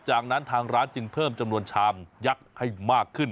จากนั้นทางร้านจึงเพิ่มจำนวนชามยักษ์ให้มากขึ้น